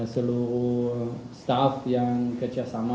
seluruh staff yang kerjasama